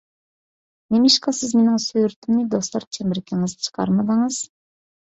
نېمىشقا سىز مىنىڭ سۈرىتىمنى دوستلار چەمبىرىكىڭىزگە چىقارمىدىڭىز؟